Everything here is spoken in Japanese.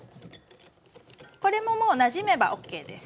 これももうなじめばＯＫです。